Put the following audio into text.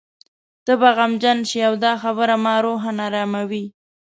ته به غمجن شې او دا خبره ما روحاً اراموي.